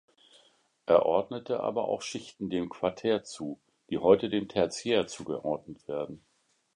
Er ordnete aber auch Schichten dem Quartär zu, die heute dem Tertiär zugeordnet werden.